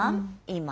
今。